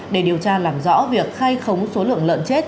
để điều tra làm rõ việc khai khống số lượng lợn chết